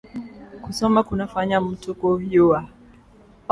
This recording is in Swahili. Kusoma kuna fanya mutu ku yuwa